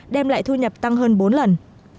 đem lại thu nhập tăng hơn bốn lần